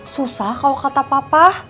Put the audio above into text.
susah kalo kata papa